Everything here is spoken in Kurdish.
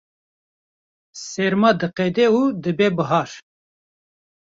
serma diqede û dibe bihar